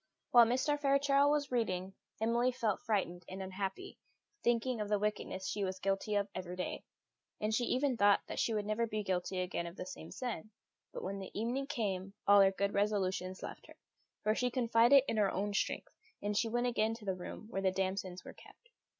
While Mr. Fairchild was reading, Emily felt frightened and unhappy, thinking of the wickedness she was guilty of every day; and she even thought that she never would be guilty again of the same sin; but when the evening came all her good resolutions left her, for she confided in her own strength; and she went again to the room where the damsons were kept.